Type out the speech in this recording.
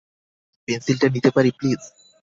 পেন্সিলটা নিতে পারি, প্লিজ?